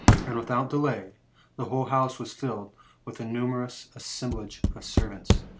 And, without delay, the whole house was filled with a numerous assem blage of servants.